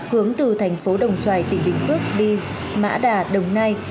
hướng từ thành phố đồng xoài tỉnh bình phước đi mã đà đồng nai